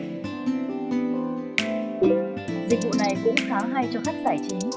dịch vụ này cũng khá hay cho khách giải trí